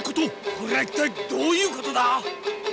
これは一体どういうことだ！